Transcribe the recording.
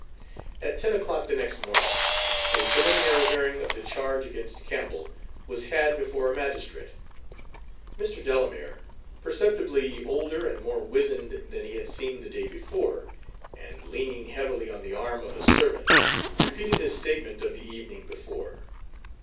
At ten o'clock the next morning, a preliminary hearing of the charge against Campbell was had before a magistrate. Mr. Delamere, perceptibly older and more wizened than he had seemed the day before, and leaning heavily on the arm of a servant, repeated his statement of the evening before.